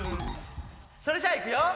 ・それじゃあいくよ！